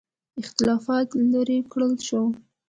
اختلافات لیرې کړل شول.